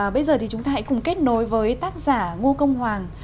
bây giờ thì chúng ta hãy cùng kết nối với tác giả ngo công hoàng